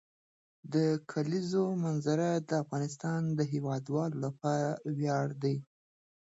د کلیزو منظره د افغانستان د هیوادوالو لپاره ویاړ دی.